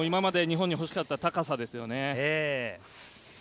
今まで日本に欲しかった高さですよね。